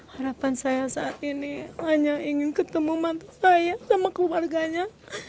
harapan saya saat ini hanya ingin ketemu mantu saya sama keluarganya